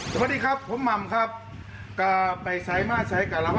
สวัสดีครับผมหม่ำครับ